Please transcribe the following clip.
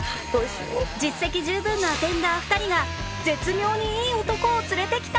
実績十分なアテンダー２人が絶妙にいい男を連れてきた